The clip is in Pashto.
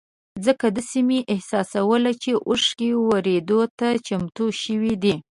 ځکه داسې مې احساسوله چې اوښکې ورېدو ته چمتو شوې دي.